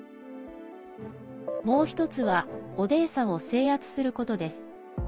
もう１つはオデーサを制圧することです。